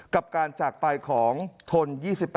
กับการจากปลายของทน๒๘๗๘